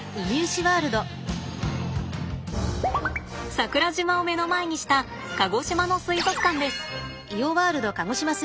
桜島を目の前にした鹿児島の水族館です。